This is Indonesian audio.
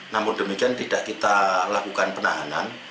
namun demikian tidak kita lakukan penahanan